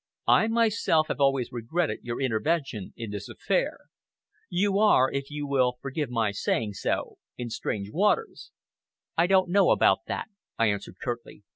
I myself have always regretted your intervention in this affair. You are, if you will forgive my saying so, in strange waters." "I don't know about that," I answered curtly.